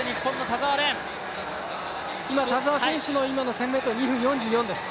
今、田澤選手の１０００ｍは２分４４です。